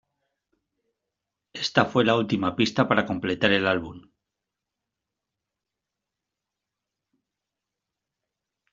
Ésta fue la última pista para completar el álbum.